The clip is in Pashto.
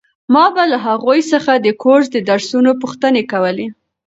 ما به له هغوی څخه د کورس د درسونو پوښتنې کولې.